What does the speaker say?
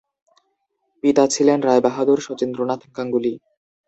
পিতা ছিলেন রায়বাহাদুর শচীন্দ্রনাথ গাঙ্গুলী।